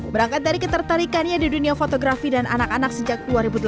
berangkat dari ketertarikannya di dunia fotografi dan anak anak sejak dua ribu delapan belas